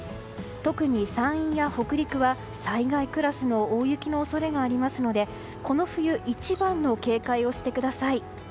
特に山陰や北陸は災害クラスの大雪の恐れがありますのでこの冬一番の警戒をしてください。